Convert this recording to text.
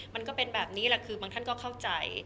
มันก็เป็นแบบนี้แหละคือบางท่านก็เข้าใจ